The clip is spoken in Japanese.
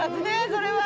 それは。